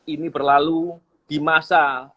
ini berlalu di masa